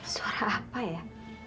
suara apa ya